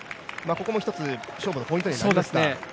ここも一つ、勝負のポイントにはなりますか。